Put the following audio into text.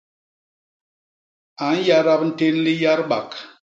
A nyadap ntén liyadbak.